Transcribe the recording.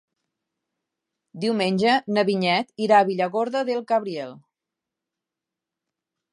Diumenge na Vinyet irà a Villargordo del Cabriel.